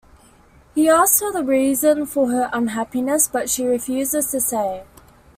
He asks her the reason for her unhappiness but she refuses to say.